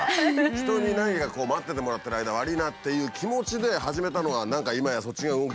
人に何か待っててもらってる間悪いなという気持ちで始めたのが何か今やそっちが動きだしちゃったんでしょ？